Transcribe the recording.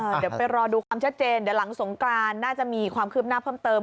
เดี๋ยวไปรอดูความชัดเจนเดี๋ยวหลังสงกรานน่าจะมีความคืบหน้าเพิ่มเติม